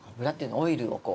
オイルをこう。